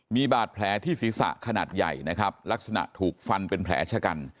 มีบาดแผลที่ศีรษะขนาดใหญ่นะครับลักษณะถูกฟันเป็นแผลชะกัน